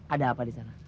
ada apa di sana